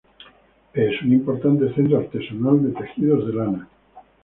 Es un importante centro artesanal de tejidos de lana.